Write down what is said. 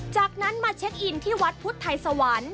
จากนั้นมาเช็คอินที่วัดพุทธไทยสวรรค์